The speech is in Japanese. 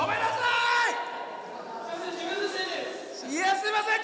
いやすいません！